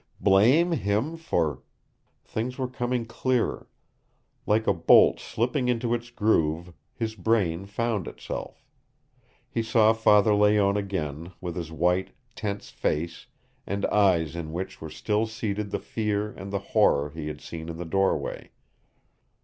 Blame him for Things were coming clearer. Like a bolt slipping into its groove his brain found itself. He saw Father Layonne again, with his white, tense face and eyes in which were still seated the fear and the horror he had seen in the doorway.